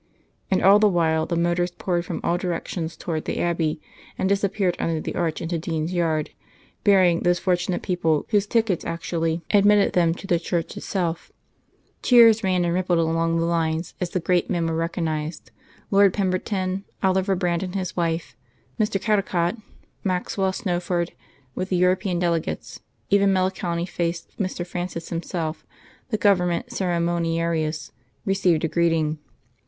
And all the while the motors poured from all directions towards the Abbey and disappeared under the arch into Dean's Yard, bearing those fortunate persons whose tickets actually admitted them to the church itself. Cheers ran and rippled along the lines as the great men were recognised Lord Pemberton, Oliver Brand and his wife, Mr. Caldecott, Maxwell, Snowford, with the European delegates even melancholy faced Mr. Francis himself, the Government ceremoniarius, received a greeting.